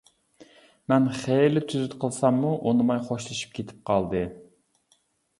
مەن خېلى تۈزۈت قىلساممۇ ئۇنىماي خوشلىشىپ كېتىپ قالدى.